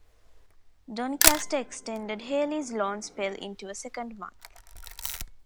Doncaster extended Healy's loan spell into a second month.